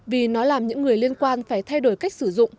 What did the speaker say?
vì nó làm những người liên quan phải thay đổi cách sử dụng